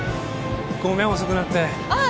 ごめん遅くなってああ